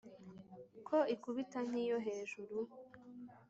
Ko ikubita nk’iyo hejuru